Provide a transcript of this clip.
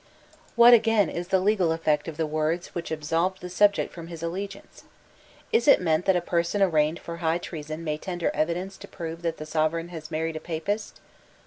What again is the legal effect of the words which absolve the subject from his allegiance? Is it meant that a person arraigned for high treason may tender evidence to prove that the Sovereign has married a Papist?